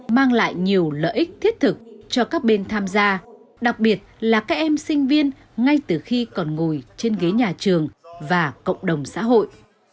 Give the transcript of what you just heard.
mang lại nhiều lợi ích thiết thực cho các bên tham gia đặc biệt là các em sinh viên ngay từ khi còn ngồi trên ghế nhà trường và cộng đồng xã hội